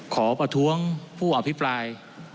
ขอประท้วงผู้อภิปราย